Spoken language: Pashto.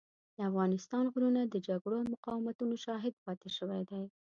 د افغانستان غرونه د جګړو او مقاومتونو شاهد پاتې شوي دي.